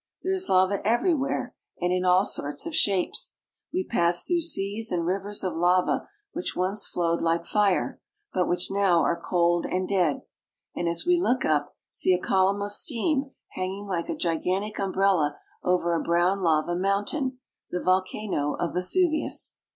There is lava everywhere and in all sorts of shapes. We pass through seas and rivers of lava which once flowed like fire, but which now are cold and dead ; and as we look up, see a column of steam hanging like a gigantic umbrella over a brown lava mountain, the volcano of Vesuvius.